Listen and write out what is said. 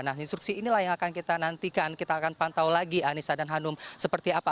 nah instruksi inilah yang akan kita nantikan kita akan pantau lagi anissa dan hanum seperti apa